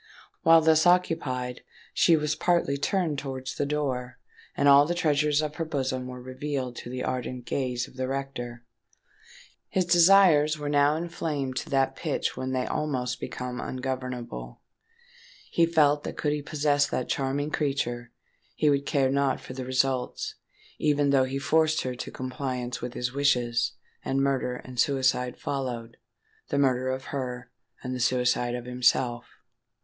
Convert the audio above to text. While thus occupied, she was partly turned towards the door; and all the treasures of her bosom were revealed to the ardent gaze of the rector. His desires were now inflamed to that pitch when they almost become ungovernable. He felt that could he possess that charming creature, he would care not for the result—even though he forced her to compliance with his wishes, and murder and suicide followed,—the murder of her, and the suicide of himself!